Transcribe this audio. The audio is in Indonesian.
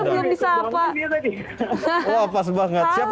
yang si kecil belum disapa